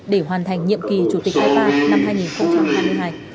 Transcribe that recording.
để hoàn thành nhiệm kỳ chủ tịch ipa năm hai nghìn hai mươi hai